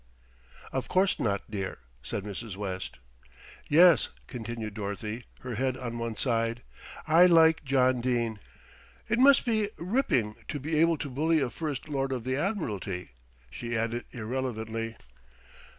"Of course not, dear," said Mrs. West. "Yes," continued Dorothy, her head on one side, "I like John Dene. It must be ripping to be able to bully a First Lord of the Admiralty," she added irrelevantly.